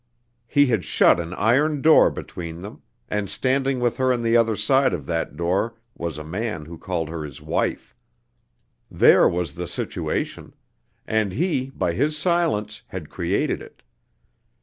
He had shut an iron door between them; and standing with her on the other side of that door was a man who called her his wife. There was the situation; and he, by his silence, had created it.